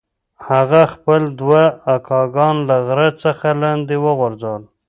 هغه خپل دوه اکاګان له غره څخه لاندې وغورځول.